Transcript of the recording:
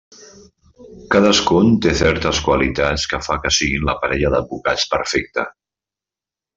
Cadascun té certes qualitats que fa que siguin la parella d'advocats perfecta.